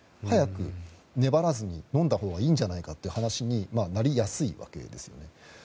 早く粘らずに、のんだほうがいいんじゃないかという話になりやすいということですね。